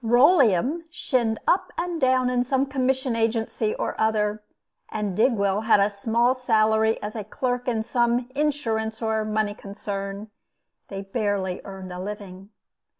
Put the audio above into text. Rolleum shinned up and down in some commission agency or other, and Digwell had a small salary as clerk in some insurance or money concern. They barely earned a living.